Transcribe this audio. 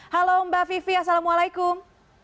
halo mbak vivi assalamualaikum